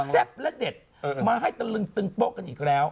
และเด็ดมาให้ตะลึงตึงโป๊ะกันอีกแล้ว